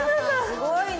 すごいね。